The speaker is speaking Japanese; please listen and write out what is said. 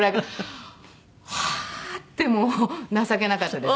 はあーってもう情けなかったですね。